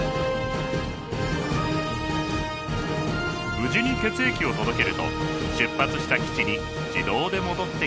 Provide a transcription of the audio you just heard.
無事に血液を届けると出発した基地に自動で戻ってきます。